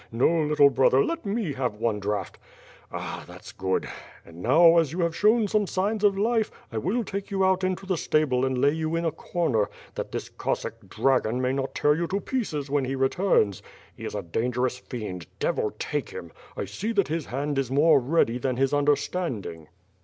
No, little brother, let me have one draught. ... Ah! thats good. And now, as you have shown some signs of life, 1 will take you out into the stable and lay you in a corner, that this Cossack dragon may not tear you to pieces when he returns. He is a danger ous friend, — devil take him! I see that his hand is more ready than his understanding."